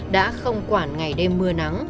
đã không quản ngày đêm mưa nắng